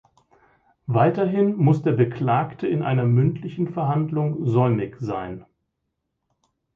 Weiterhin muss der Beklagte in einer mündlichen Verhandlung säumig sein.